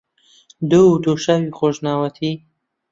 دۆ و دۆشاوی خۆشناوەتی